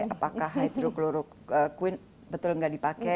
apakah hydrochloroquine betul nggak dipakai itu